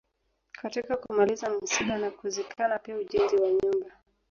Katika kumaliza misiba na kuzikana pia ujenzi wa nyumba